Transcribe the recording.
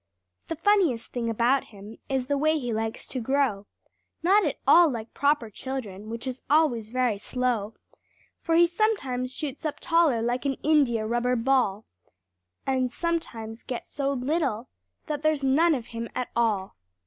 The funniest thing about him is the way he likes to grow— Not at all like proper children, which is always very slow; For he sometimes shoots up taller like an india rubber ball, And he sometimes gets so little that there's none of him at all.